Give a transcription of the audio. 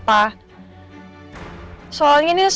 soalnya ini saatnya gue mau ke rumah gue gak bisa